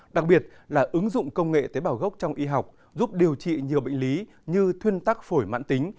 đặc biệt là ứng dụng công nghệ tế bào gốc trong y học giúp điều trị nhiều bệnh lý như thuyên tắc phổi mãn tính